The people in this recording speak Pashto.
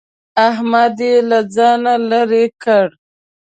احمد يې له ځانه لرې کړ.